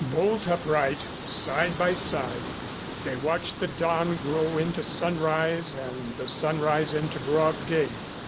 Bolt upright, side by side, they watched the dawn grow into sunrise and the sunrise into broad day.